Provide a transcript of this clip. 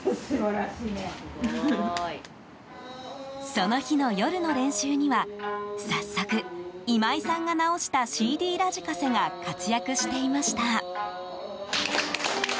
その日の夜の練習には、早速今井さんが直したＣＤラジカセが活躍してました。